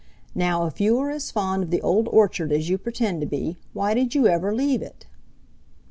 Now if you are as fond of the Old Orchard as you pretend to be, why did you ever leave it?"